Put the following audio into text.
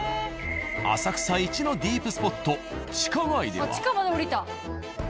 浅草一のディープスポット地下まで下りた。